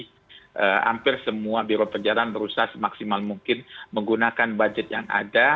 hampir semua biro perjalanan berusaha semaksimal mungkin menggunakan budget yang ada